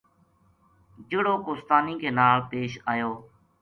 جہڑو کوہستانی کے نال پیش آیو